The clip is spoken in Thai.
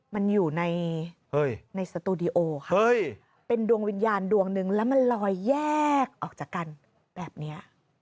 มันอยู่ในสตูดิโอค่ะเป็นดวงวิญญาณดวงนึงแล้วมันลอยแยกออกจากกันแบบนี้